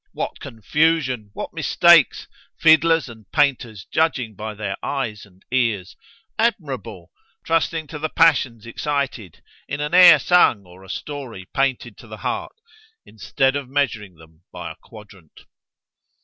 —What confusion!—what mistakes!——fiddlers and painters judging by their eyes and ears—admirable!—trusting to the passions excited—in an air sung, or a story painted to the heart——instead of measuring them by a quadrant.